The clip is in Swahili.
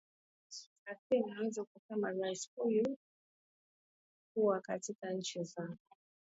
za asia unaweza ukasemaje rais huyu kuwa katika nchi za